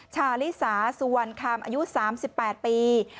ชาลิสาสุวรรณคามอายุ๓๘ปี